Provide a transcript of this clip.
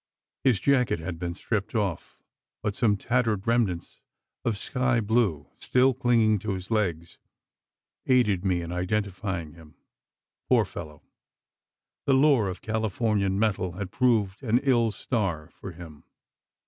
His jacket had been stripped off; but some tattered remnants of sky blue, still clinging to his legs, aided me in identifying him. Poor fellow! The lure of Californian metal had proved an ill star for him.